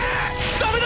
ダメだ！！